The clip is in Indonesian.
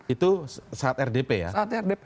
itu saat rdp ya saat rdp